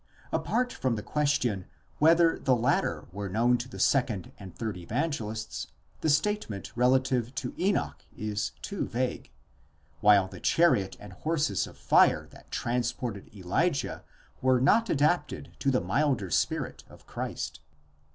Apart from the question whether the latter were known to the second and third Evangelists; the statement relative to Enoch is too vague ; while the chariot and horses of fire that transported Elijah were not adapted to the milder spirit of Christ.